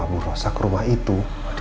bu rosa ke rumah itu